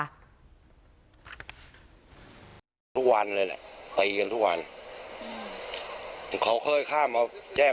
อาราศาสนุนยาวของเสมอ